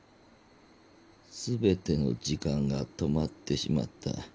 全ての時間が止まってしまった。